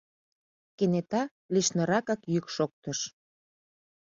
— кенета лишныракак йӱк шоктыш.